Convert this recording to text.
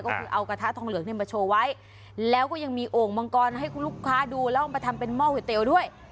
ก็คือเอากระทะทองเหลืองเนี่ยมาโชว์ไว้แล้วก็ยังมีโอ่งมังกรให้คุณลูกค้าดูแล้วเอามาทำเป็นหม้อก๋วยเตี๋ยวด้วย